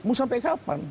mau sampai kapan